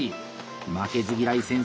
「負けず嫌い先生」